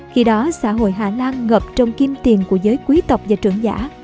khi đó xã hội hà lan ngập trong kim tiền của giới quý tộc và trưởng giả